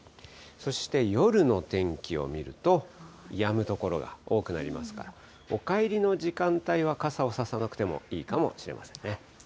そして、夜の天気を見ると、やむ所が多くなりますから、お帰りの時間帯は、傘を差さなくてもいいかもしれませんね。